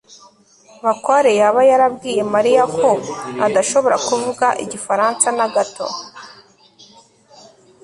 bakware yaba yarabwiye mariya ko adashobora kuvuga igifaransa na gato